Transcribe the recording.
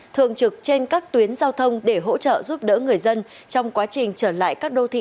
thường trực trên các tuyến giao thông để hỗ trợ giúp đỡ người dân trong quá trình trở lại các đô thị